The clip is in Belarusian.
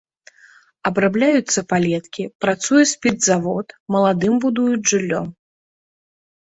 Абрабляюцца палеткі, працуе спіртзавод, маладым будуюць жыллё.